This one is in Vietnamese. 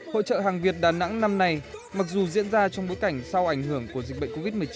hội trợ hàng việt đà nẵng năm nay mặc dù diễn ra trong bối cảnh sau ảnh hưởng của dịch bệnh covid một mươi chín